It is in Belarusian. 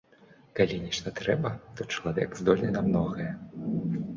Калі нешта трэба, то чалавек здольны на многае.